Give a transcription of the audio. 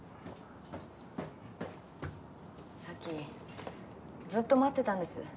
・咲ずっと待ってたんです。